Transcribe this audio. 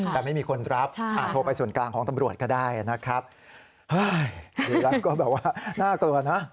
แต่ไม่มีคนรับโทรไปส่วนกลางของตำรวจก็ได้นะครับเฮ้ยดูแล้วก็แบบว่าน่ากลัวนะ